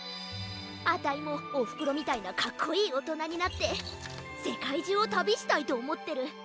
あたいもおふくろみたいなかっこいいおとなになってせかいじゅうをたびしたいとおもってる。